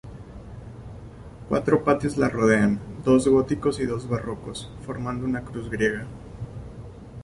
Cuatro patios la rodean, dos góticos y dos barrocos, formando una cruz griega.